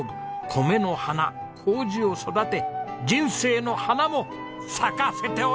米の花糀を育て人生の花も咲かせておりますで！